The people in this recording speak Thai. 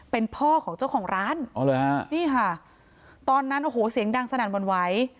เป็นพ่อของเจ้าของร้านอ๋อเลยฮะนี่ค่ะตอนนั้นโอ้โหเสียงดังสนั่นหวั่นไหว